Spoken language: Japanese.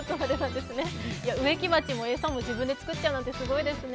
植木鉢も餌も自分で作っちゃうなんてすごいですね。